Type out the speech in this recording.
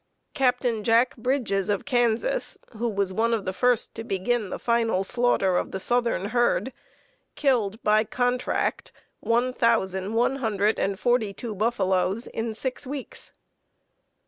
Capt. Jack Brydges, of Kansas, who was one of the first to begin the final slaughter of the southern herd, killed, by contract, one thousand one hundred and forty two buffaloes in six weeks.